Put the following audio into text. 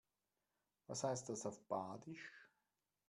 Was heißt das auf Badisch?